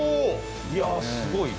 いやすごい。